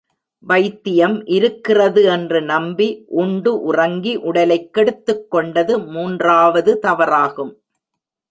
வைத்தியம் இருக்கிறது என்று நம்பி உண்டு, உறங்கி, உடலைக் கெடுத்துக் கொண்டது மூன்றாவது தவறாகும்.